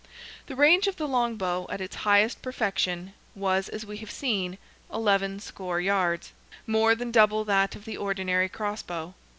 The range of the long bow, at its highest perfection, was, as we have seen, "eleven score yards," more than double that of the ordinary cross bow.